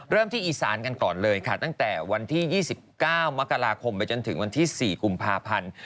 ที่อีสานกันก่อนเลยค่ะตั้งแต่วันที่๒๙มกราคมไปจนถึงวันที่๔กุมภาพันธ์